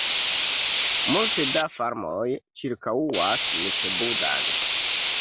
Multe da farmoj ĉirkaŭas Mikebuda-n.